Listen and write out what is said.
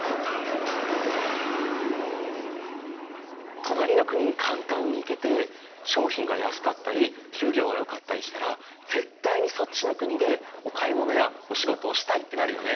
隣の国に簡単に行けて商品が安かったり給料がよかったりしたら絶対にそっちの国でお買い物やお仕事をしたいってなるよね。